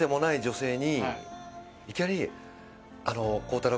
いきなり。